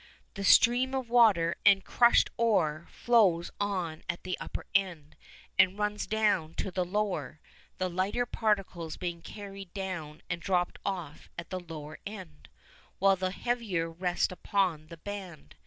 The stream of water and crushed ore flows on at the upper end, and runs down to the lower, the lighter particles being carried down and dropped off at the lower end, while the heavier rest upon the band.